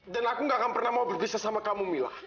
dan aku gak akan pernah mau berpisah sama kamu mila